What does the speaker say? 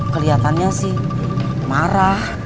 kelihatannya sih marah